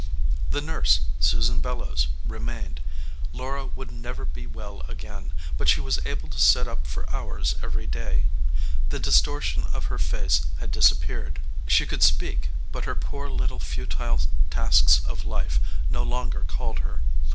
The nurse, Susan Bellows, remained. Laura would never be well again, but she was able to sit up for hours every day. The distortion of her face had disap peared. She could speak, but her poor little futile tasks of life no longer called her.